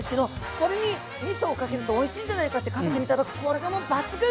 これに、みそをかけるとおいしいんじゃないかってかけてみたら、これがもう抜群！